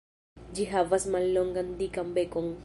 Ĝi havas mallongan dikan bekon.